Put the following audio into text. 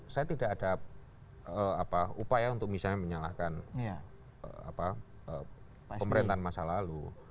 saya tidak ada upaya untuk misalnya menyalahkan pemerintahan masa lalu